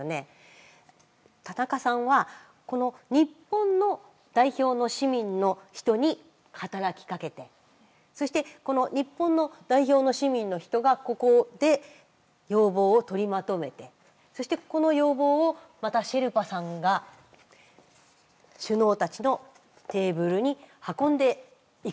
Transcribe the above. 田中さんはこの日本の代表の市民の人に働きかけてそしてこの日本の代表の市民の人がここで要望を取りまとめてそしてこの要望をまたシェルパさんが首脳たちのテーブルに運んでいくということになるんですよね。